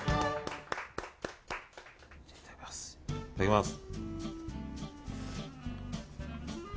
いただきます。